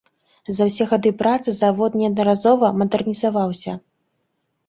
За ўсе гады працы завод неаднаразова мадэрнізаваўся.